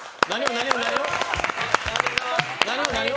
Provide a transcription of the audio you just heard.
何を？